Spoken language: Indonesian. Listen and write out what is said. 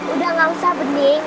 udah gak usah bening